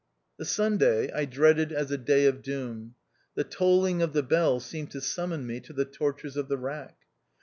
The Sunday I dreaded as a day of doom. The tolling of the bell seemed to summon me to the tortures of the rack.